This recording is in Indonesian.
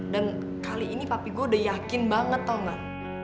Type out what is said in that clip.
dan kali ini papi gue udah yakin banget tau gak